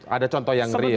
ada contoh yang real